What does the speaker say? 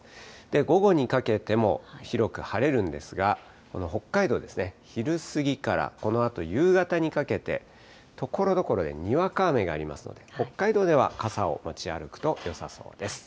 午後にかけても広く晴れるんですが、この北海道ですね、昼過ぎからこのあと夕方にかけて、ところどころでにわか雨がありますので、北海道では傘を持ち歩くとよさそうです。